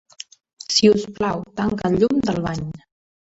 Si us plau, tanca el llum del bany.